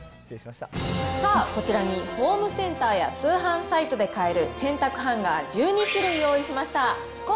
さあ、こちらにホームセンターや通販サイトで買える洗濯ハンガー１２種類、用意しました。